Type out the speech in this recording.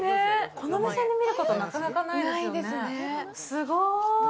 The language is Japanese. この目線で見ることなかなかないですよね、すごーい。